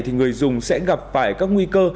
thì người dùng sẽ gặp phải các nguy cơ